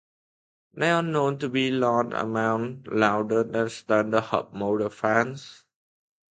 They are known to be a large amount louder than standard hub-motor fans.